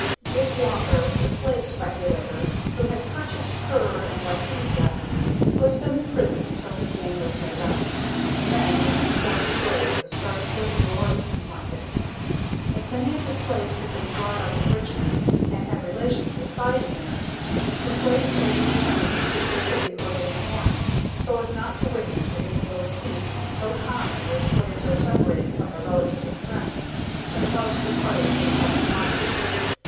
DICK WALKER, the slave speculator, who had purchased Currer and Althesa, put them in prison until his gang was made up, and then, with his forty slaves, started for the New Orleans market. As many of the slaves had been brought up in Richmond, and had relations residing there, the slave trader determined to leave the city early in the morning, so as not to witness any of those scenes so common where slaves are separated from their relatives and friends, when about departing for the Southern market.